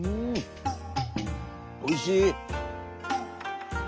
おいしい！